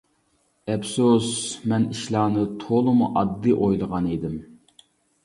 ئەپسۇس، مەن ئىشلارنى تولىمۇ ئاددىي ئويلىغان ئىدىم.